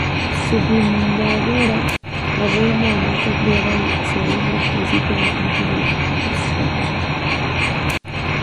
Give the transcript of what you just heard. Su fundadora, la reina Ana, fue criada según los principios estrictos de la Contrarreforma.